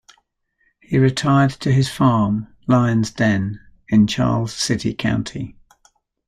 He retired to his farm, Lion's Den, in Charles City County.